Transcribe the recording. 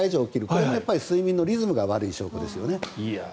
これも睡眠のリズムが悪い証拠ですよね。